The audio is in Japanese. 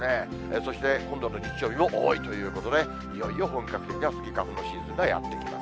そして今度の日曜日も多いということで、いよいよ本格的なスギ花粉のシーズンがやって来ます。